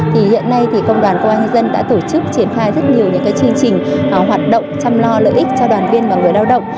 thì hiện nay thì công đoàn công an nhân dân đã tổ chức triển khai rất nhiều những chương trình hoạt động chăm lo lợi ích cho đoàn viên và người lao động